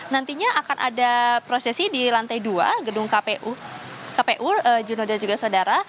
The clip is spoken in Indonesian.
nantinya akan ada prosesi di lantai dua gedung kpu jurnal dan juga saudara